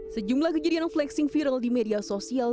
sejumlah kejadian flexing viral di media sosial